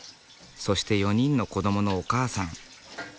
そして４人の子供のお母さん。